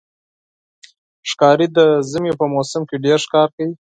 ښکاري د ژمي په موسم کې ډېر ښکار کوي.